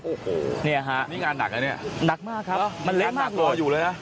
โอ้โหเนี่ยฮะนี่งานหนักนะเนี่ยหนักมากครับมันเล็กน่ากลัวอยู่เลยนะ